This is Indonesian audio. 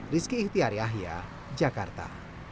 rizky ihtiariahia jakarta